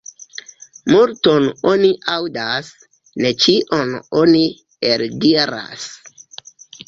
Multon oni aŭdas, ne ĉion oni eldiras.